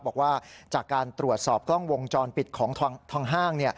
บอกว่าจากการตรวจสอบกล้องวงจรปิดของทางห้าง